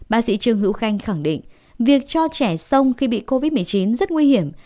bác sĩ trương hữu khanh khẳng định việc cho trẻ sông khi bị covid một mươi chín rất nguy hiểm